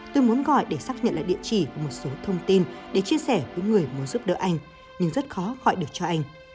tôi muốn gọi để xác nhận lại địa chỉ một số thông tin để chia sẻ với người muốn giúp đỡ anh nhưng rất khó gọi được cho anh